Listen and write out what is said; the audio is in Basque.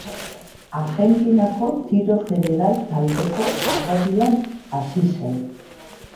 Argentinako Tiro Federal taldeko harrobian hazi zen.